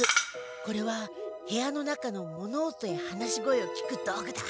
これは部屋の中の物音や話し声を聞く道具だ。